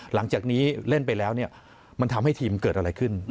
หลังจากนี้เล่นไปแล้วมันทำให้ทีมเกิดอะไรขึ้น